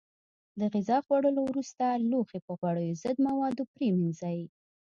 د غذا خوړلو وروسته لوښي په غوړیو ضد موادو پرېمنځئ.